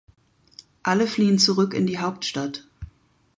Alle fliehen zurück in die Hauptstadt.